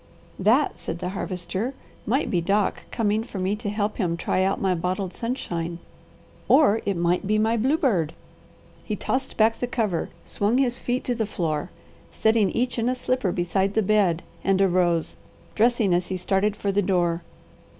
"That," said the Harvester, "might be Doc coming for me to help him try out my bottled sunshine, or it might be my bluebird." He tossed back the cover, swung his feet to the floor, setting each in a slipper beside the bed, and arose, dressing as he started for the door.